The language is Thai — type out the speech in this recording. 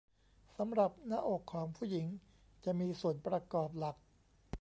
สำหรับหน้าอกของผู้หญิงจะมีส่วนประกอบหลัก